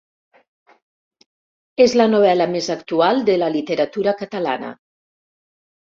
És la novel·la més actual de la literatura catalana.